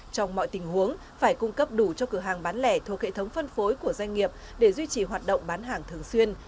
trong mọi tình huống phải cung cấp đủ cho cửa hàng bán lẻ thuộc hệ thống phân phối của doanh nghiệp để duy trì hoạt động bán hàng thường xuyên